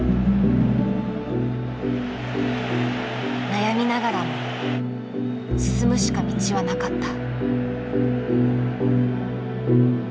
悩みながらも進むしか道はなかった。